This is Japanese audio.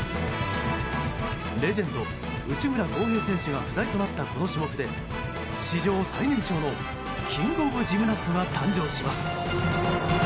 レジェンド内村航平選手が不在となった、この種目で史上最年少のキング・オブ・ジムナストが誕生します。